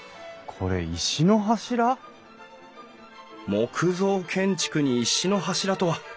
木造建築に石の柱とは！